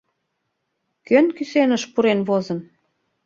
Кӧн кӱсеныш пурен возын?»